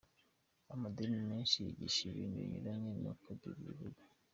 Amadini menshi yigisha ibintu binyuranye nuko bible ivuga.